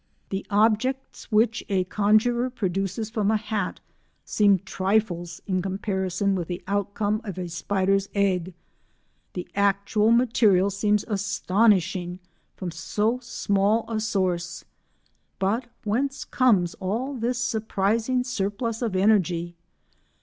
The objects which a conjuror produces from a hat seem trifles in comparison with the outcome of a spider's egg—the actual material seems astonishing from so small a source, but whence comes all this surprising surplus of energy?